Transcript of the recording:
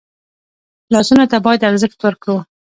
لاسونه ته باید ارزښت ورکړو